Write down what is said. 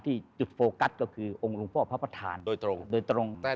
ที่จุดโตรควรกัสคือองค์หลวงพ่อพระอุบัติฐาน